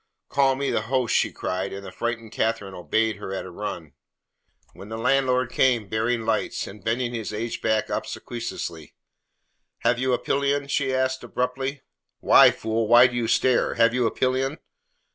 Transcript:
"Call me the host," she cried, and the frightened Catherine obeyed her at a run. When the landlord came, bearing lights, and bending his aged back obsequiously: "Have you a pillion?" she asked abruptly. "Well, fool, why do you stare? Have you a pillion?"